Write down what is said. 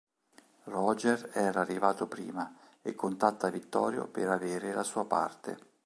Roger era arrivato prima e contatta Vittorio per avere la sua parte.